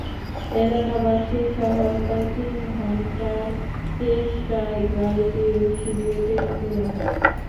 এলাকাবাসীর সহায়তায় তিন ঘণ্টার চেষ্টায় গাড়িটি রশি দিয়ে টেনে তোলা হয়।